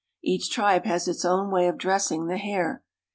Each tribe has its own way of dressing the hair.